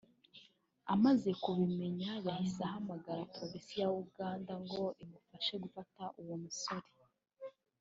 Amaze kubimenya yahise ahamagara polisi ya Uganda ngo imufashe gufata uwo musore